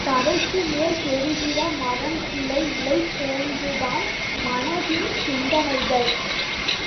தரைக்கு மேல் தெரிகிற மரம், கிளை, இலை போன்றுதான் மனதின் சிந்தனைகள்.